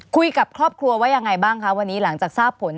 คุยกับครอบครัวว่ายังไงบ้างคะวันนี้หลังจากทราบผล